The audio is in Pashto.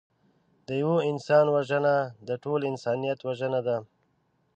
د یوه انسان وژنه د ټول انسانیت وژنه ده